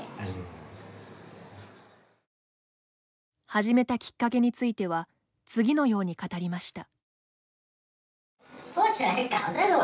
始めたきっかけについては次のように語りました。